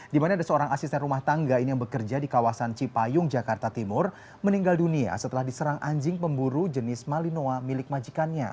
di mana ada seorang asisten rumah tangga ini yang bekerja di kawasan cipayung jakarta timur meninggal dunia setelah diserang anjing pemburu jenis malinoa milik majikannya